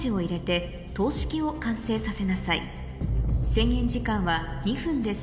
制限時間は２分です